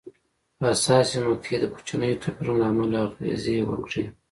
حساسې مقطعې د کوچنیو توپیرونو له امله اغېزې وکړې.